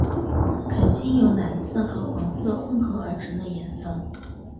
可经由蓝色和黄色混和而成的颜色。